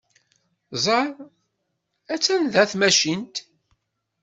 Ẓer! Attan da tmacint!